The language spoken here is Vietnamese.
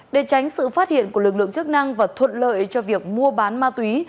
để tránh sự phát hiện của lực lượng chức năng và thuận lợi cho việc mua bán ma túy